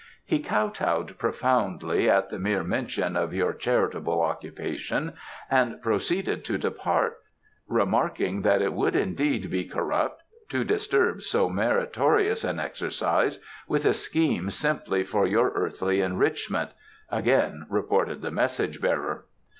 "He kowtowed profoundly at the mere mention of your charitable occupation and proceeded to depart, remarking that it would indeed be corrupt to disturb so meritorious an exercise with a scheme simply for your earthly enrichment," again reported the message bearer.